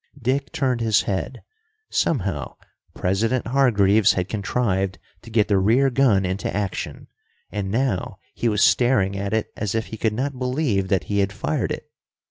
Dick turned his head. Somehow, President Hargreaves had contrived to get the rear gun into action, and now he was staring at it as if he could not believe that he had fired it.